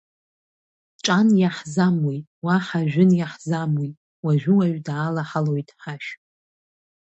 Ҿан иаҳзамуит, уаҳа жәын иаҳзамуит, уажәы-уажә даалаҳалоит ҳашә.